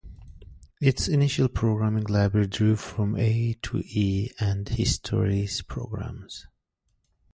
Its initial programming library drew from A and E and History's programs.